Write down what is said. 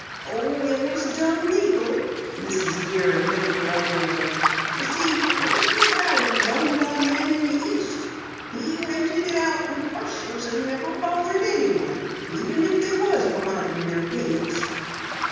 "Oh, it was done legal," Mrs. Lear admitted grudgingly. "You see, most o' this valley was owned by a man in the East. He rented it out in parcels, an' never bothered anyone even if they was behind in their payments."